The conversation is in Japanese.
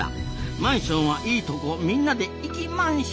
マンションはいいとこみんなで行き「まんしょん」。